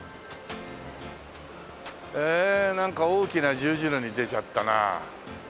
えーっなんか大きな十字路に出ちゃったな。